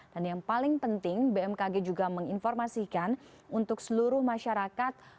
dan yang paling penting bmkg juga menginformasikan untuk seluruh masyarakat